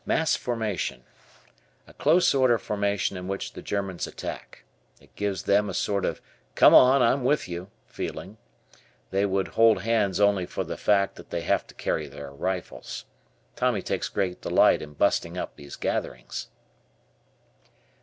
Mass Formation. A close order formation in which the Germans attack. It gives them a sort of "Come on, I'm with you" feeling. They would "hold hands" only for the fact that they have to carry their rifles. Tommy takes great delight in "busting up" these gatherings.